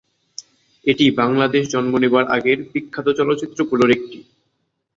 এটি বাংলাদেশ জন্ম নেবার আগের বিখ্যাত চলচ্চিত্রগুলোর একটি।